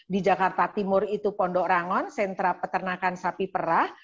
di jakarta timur itu pondok rangon sentra peternakan sapi perah